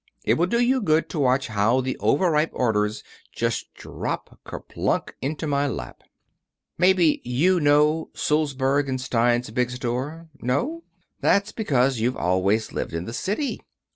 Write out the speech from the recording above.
It will do you good to watch how the overripe orders just drop, ker plunk, into my lap." Maybe you know Sulzberg & Stein's big store? No? That's because you've always lived in the city.